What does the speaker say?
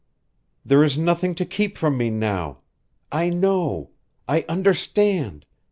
There is nothing to keep from me now. I know. I understand.